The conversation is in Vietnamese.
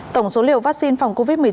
tổng số liều vaccine phòng covid một mươi chín